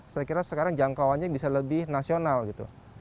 saya kira sekarang jangkauannya bisa lebih nasional gitu